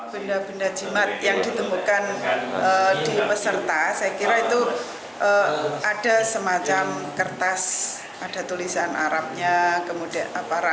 benda benda jimat yang ditemukan di peserta saya kira itu ada semacam kertas ada tulisan arabnya kemudian